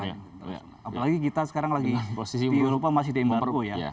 apalagi kita sekarang lagi di eropa masih dembargo ya